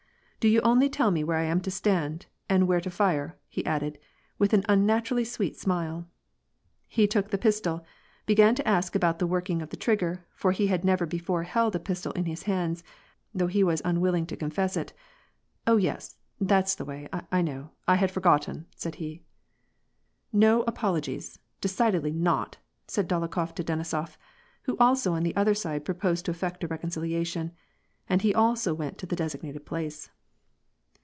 " Do you only tell me where I am to stand) and where to fire," he added, with an unnaturally sweet smile. He took the pia tol, began to ask about the working of the trigger, for he had never before held a pistol in his hands, though he was unwill ing to confess it. " Oh yes, that's the way — I know — I had forgotten," said he. " No apologies, decidedly not," said Dolokhof to Denisof, who also on the other side proposed to effect a reconciliatioD, and he also went to the designated place.